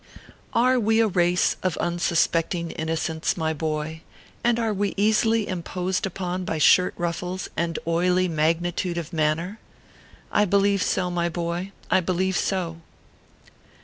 Are we a race of unsuspecting innocents, my boy, and are we easily imposed upon by shirt ruffles and oily magnitude of manner ? I believe so, my boy I believe so.